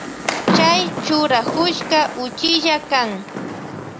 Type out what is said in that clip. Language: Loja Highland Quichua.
Chay churakushka uchilla kan.